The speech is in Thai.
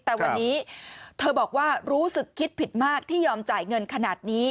แต่วันนี้เธอบอกว่ารู้สึกคิดผิดมากที่ยอมจ่ายเงินขนาดนี้